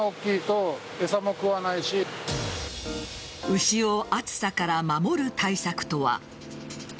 牛を暑さから守る対策とは。